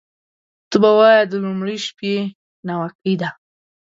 ته به وایې د لومړۍ شپې ناوکۍ ده